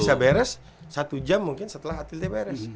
jam tiga beres satu jam mungkin setelah atletnya beres